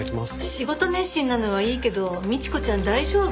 仕事熱心なのはいいけど倫子ちゃん大丈夫？